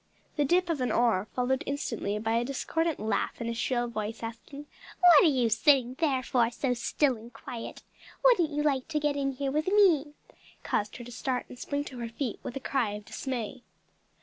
The dip of an oar, followed instantly by a discordant laugh and a shrill voice asking, "What are you sittin' there for so still and quiet? Wouldn't you like to get in here with me!" caused her to start and spring to her feet with a cry of dismay.